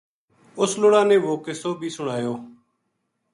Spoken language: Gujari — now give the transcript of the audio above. اُس لُڑا نے وہ قصو بھی سنایو